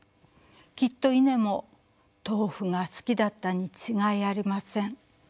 きっとイネも豆腐が好きだったに違いありません。